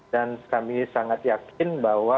dan kami sangat yakin bahwa